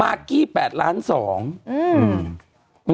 กี้แปดล้านสองอืม